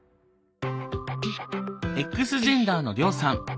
Ｘジェンダーのリョウさん。